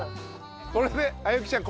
これであゆきちゃん